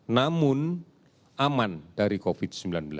namun aman dari covid sembilan belas